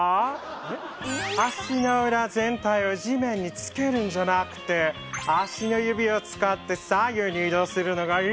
足の裏全体を地面につけるんじゃなくて足の指を使って左右に移動するのがいいんです！